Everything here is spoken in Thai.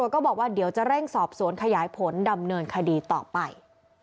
ก็บอกว่าเดี๋ยวจะเร่งสอบสวนขยายผลดำเนินคดีต่อไป